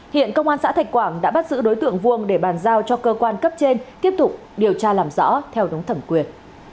hiện công an xã thạch quảng đã bắt giữ đối tượng vuông để bàn giao cho cơ quan cấp trên tiếp tục điều tra làm rõ theo đúng thẩm quyền